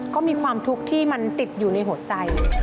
ก็มีความทุกข์ที่มันติดอยู่ในหัวใจ